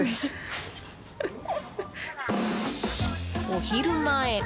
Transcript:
お昼前。